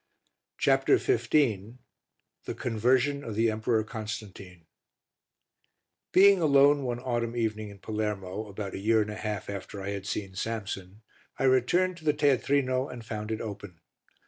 CHAPTER XV THE CONVERSION OF THE EMPEROR CONSTANTINE Being alone one autumn evening in Palermo, about a year and a half after I had seen Samson, I returned to the teatrino and found it open.